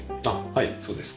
はいそうです。